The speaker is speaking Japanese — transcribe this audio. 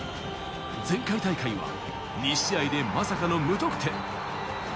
前回大会は２試合でまさかの無得点。